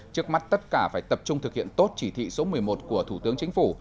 trước mắt tất cả phải tập trung thực hiện tốt chỉ thị số một mươi một của thủ tướng chính phủ